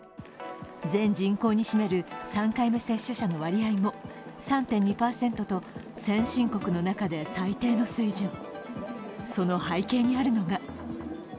全人口に占める３回目接種者の割合も３．２％と先進国の中で最低の水準。